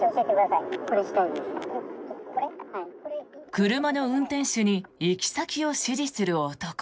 車の運転手に行き先を指示する男。